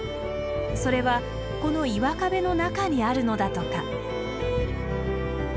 それはこの岩壁の中にあるのだとか。